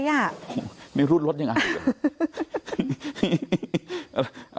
โอ้โฮมีรุ่นรถยังไง